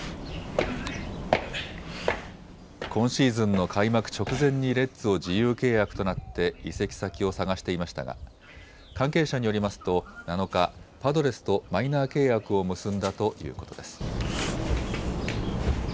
今シーズンの開幕直前にレッズを自由契約となって移籍先を探していましたが関係者によりますと７日、パドレスとマイナー契約を結んだということです。